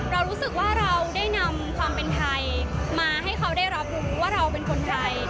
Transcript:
เรารู้สึกว่าเราได้นำความเป็นไทยมาให้เขาได้รับรู้ว่าเราเป็นคนไทย